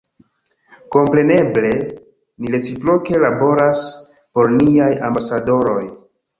Kompreneble, ni reciproke laboras por niaj ambasadoroj